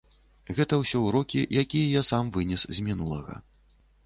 Гэта ўсё ўрокі, якія я сам вынес з мінулага.